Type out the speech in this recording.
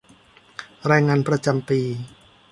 รายงานประจำปี